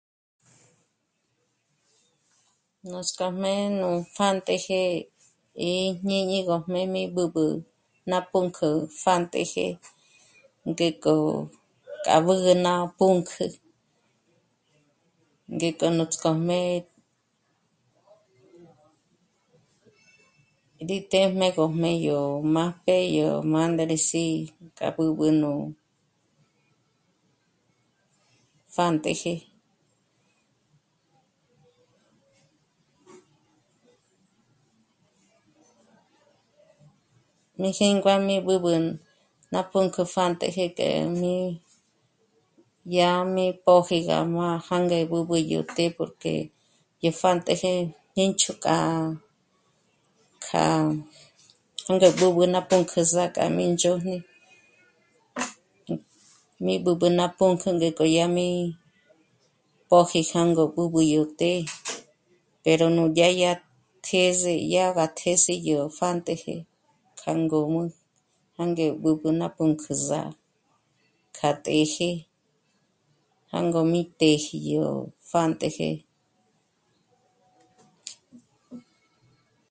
Núts'k'ojmé nú pjántëjë é jñíñigöjmé mí b'ǚb'ü ná pǔnk'ü pjántëjë ngék'o k'a bǚgü ná pǔnk'ü, ngék'o núts'k'ojmé... rí téjm'egöjmé yó májp'e yó mândres'i k'a b'ǚb'ü nú... pjántëjë... Mí jíngua mí b'ǚb'ü ná pǔnk'ü pjántëjë k'e mí dyá mí póji gá mája ngé b'ǚb'ütjé porque dyé pjántëjë ñênch'o k'a kjâ'a ndé b'ǚb'ü ná pǔnk'ü zàk'a mí ndzhôrn'ü, mí b'ǚb'ü ná pǔnk'ü ngék'o yá mí póji jângo b'ǚb'ü yó të́'ë, pero nudyá dyá tjë́s'e dyá gá tjë́s'e yó pjántëjë kja ngǔm'ü jânge b'ǚb'ü ná pǔnk'ü zà'a kja të́jë jângo mí pë́ji yó pjántëjë